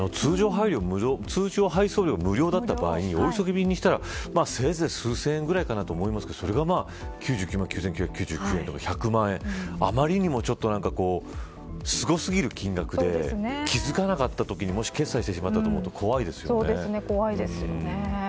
だって通常配送料無料だった場合にお急ぎ便にしたらせいぜい数千円ぐらいかなと思いますけどそれが９９万９９９９円あまりにもすご過ぎる金額で気付かなかったときにもし決済してしまったらと思うとそうですね、怖いですよね。